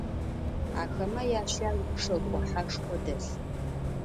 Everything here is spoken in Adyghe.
Ахэмэ ящагу шэкӏо хьэшхо дэлъ.